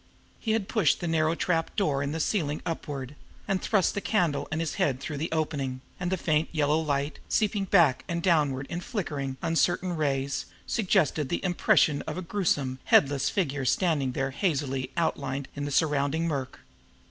He had pushed the narrow trap door in the ceiling upward, and had thrust candle and head through the opening, and the faint yellow light, seeping back and downward in flickering, uncertain rays, suggested the impression of a gruesome, headless figure standing there hazily outlined in the surrounding murk.